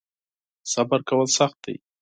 صبر کول سخت دی .